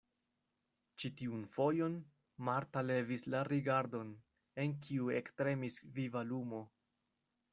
Ĉi tiun fojon Marta levis la rigardon, en kiu ektremis viva lumo.